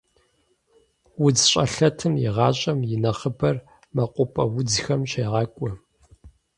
УдзщӀэлъэтым и гъащӀэм и нэхъыбэр мэкъупӀэ удзхэм щегъакӀуэ.